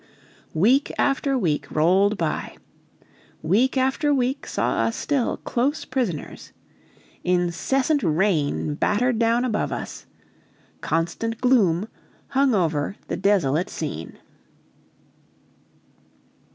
Week after week rolled by. Week after week saw us still close prisoners. Incessant rain battered down above us; constant gloom hung over the desolate scene.